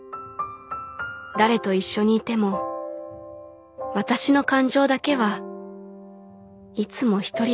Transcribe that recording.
誰と一緒にいても私の感情だけはいつも１人だった